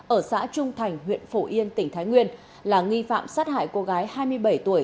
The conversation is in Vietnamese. ở xã trung thành huyện phổ yên tỉnh thái nguyên là nghi phạm sát hại cô gái hai mươi bảy tuổi